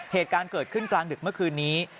เหตุการณ์เกิดขึ้นกลางดึกเมื่อคืนนี้